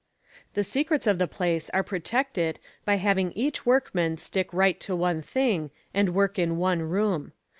The secrets of the place are protected by having each workman stick right to one thing and work in one room.